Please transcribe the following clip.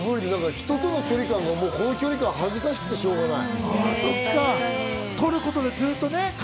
人との距離感がもう、この距離感は恥ずかしくてしょうがない。